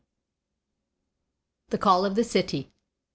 "The Call of the City."